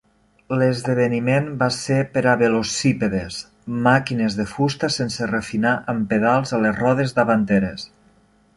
L'esdeveniment va ser per a velocípedes, màquines de fusta sense refinar amb pedals a les rodes davanteres.